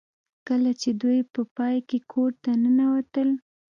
کله چې دوی په پای کې کور ته ننوتل